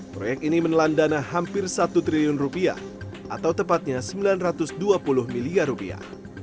proyek ini menelan dana hampir satu triliun rupiah atau tepatnya sembilan ratus dua puluh miliar rupiah